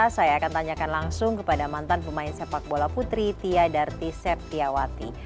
saya akan tanyakan langsung kepada mantan pemain sepak bola putri tia darty septyawati